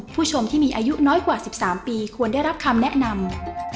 ผู้ชมที่มีอายุน้อยกว่า๑๓ปีควรได้รับคำแนะนำ